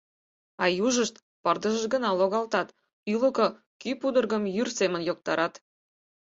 А южышт пырдыжыш гына логалтат, ӱлыкӧ кӱ пудыргым йӱр семын йоктарат.